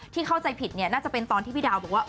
เข้าใจผิดเนี่ยน่าจะเป็นตอนที่พี่ดาวบอกว่า